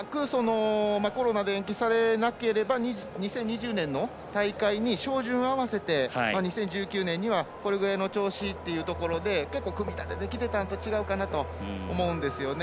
恐らくコロナで延期されなければ２０２０年の大会に照準を合わせて２０１９年にはこれぐらいの調子というところで結構、組み立ててきてたんと違うかなと思うんですよね。